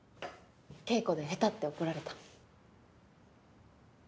稽古で下手って怒られた？